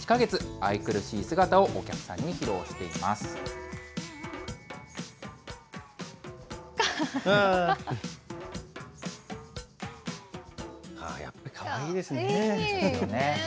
愛くるしい姿をお客さんに披露しやっぱりかわいいですね。